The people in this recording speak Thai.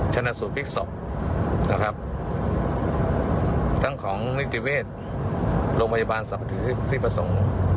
ชนสุภิกษ์ศพนะครับตั้งของนิติเวทโรงพยาบาลสรรพสิทธิประสงค์